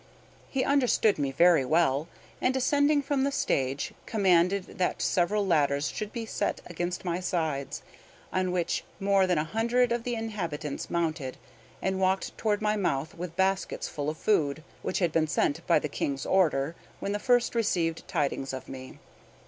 He understood me very well, and, descending from the stage, commanded that several ladders should be set against my sides, on which more than a hundred of the inhabitants mounted, and walked toward my mouth with baskets full of food, which had been sent by the King's orders when he first received tidings of me.